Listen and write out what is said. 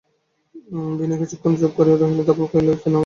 বিনয় কিছুক্ষণ চুপ করিয়া রহিল, তার পরে কহিল, কেন, কী হয়েছে?